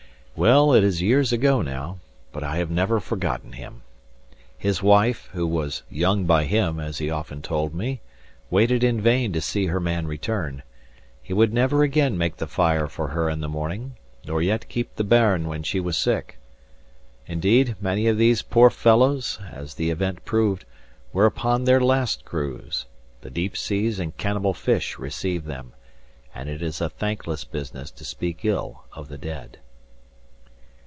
Well, it is years ago now: but I have never forgotten him. His wife (who was "young by him," as he often told me) waited in vain to see her man return; he would never again make the fire for her in the morning, nor yet keep the bairn when she was sick. Indeed, many of these poor fellows (as the event proved) were upon their last cruise; the deep seas and cannibal fish received them; and it is a thankless business to speak ill of the dead.